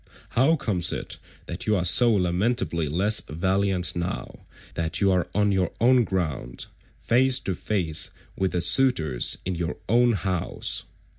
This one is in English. How comes it that you are so lamentably less valiant now that you are on your own ground, face to face with the suitors in your own house?